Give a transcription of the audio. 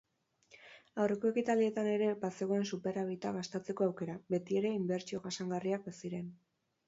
Aurreko ekitaldietan ere bazegoen superabita gastatzeko aukera, betiere inbertsio jasangarriak baziren.